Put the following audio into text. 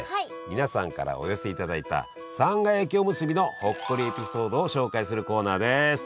皆さんからお寄せいただいたさんが焼きおむすびのほっこりエピソードを紹介するコーナーです！